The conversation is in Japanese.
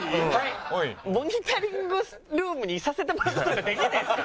モニタリングルームにいさせてもらう事はできないんですか？